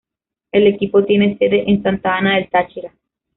El equipo tiene sede en Santa Ana del Táchira.